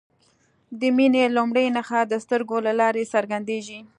د مینې لومړۍ نښه د سترګو له لارې څرګندیږي.